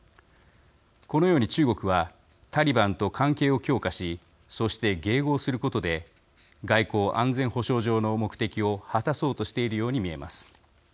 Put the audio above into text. このように、中国はタリバンと関係を強化しそして迎合することで外交・安全保障上の目的を果たそうとしているように見えます。